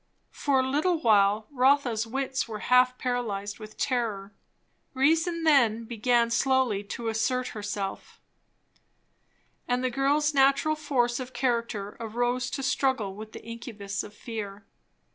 For a little while Rotha's wits were half paralyzed with terror. Reason then began slowly to assert herself, and the girl's natural force of character arose to struggle with the incubus of fear.